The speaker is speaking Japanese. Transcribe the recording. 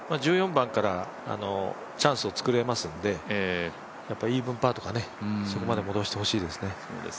１４番からチャンスを作れますのでイーブンパーとかまで戻してほしいですね。